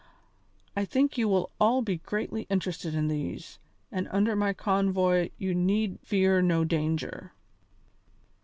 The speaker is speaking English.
I think you will all be greatly interested in these, and under my convoy you need fear no danger."